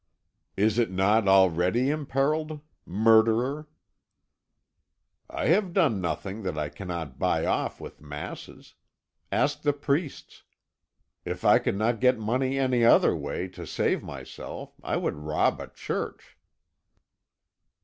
"Is it not already imperilled? Murderer!" "I have done nothing that I cannot buy off with masses. Ask the priests. If I could not get money any other way, to save myself I would rob a church."